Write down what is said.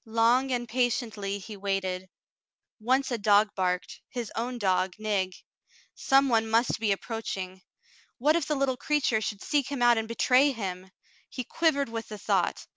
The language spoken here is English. Long and patiently he waited. Once a dog barked, — his own dog Nig. Some one must be approaching. What if the little creature should seek him out and betray him ! He quivered with the thought.